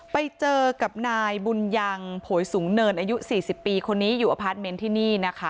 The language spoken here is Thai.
ไปเจอกับนายบุญยังโผยสูงเนินอายุ๔๐ปีคนนี้อยู่อพาร์ทเมนต์ที่นี่นะคะ